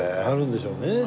あるんでしょうね。